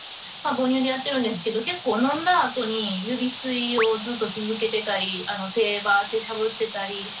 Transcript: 母乳でやってるんですけど結構飲んだあとに指吸いをずっと続けてたり手をしゃぶってたり。